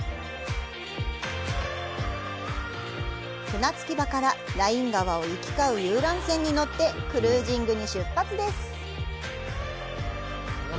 船着場からライン川を行き交う遊覧船に乗ってクルージングに出発です。